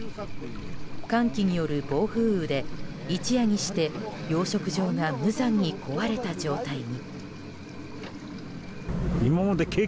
寒気による暴風雨で一夜にして養殖場が無残に壊れた状態に。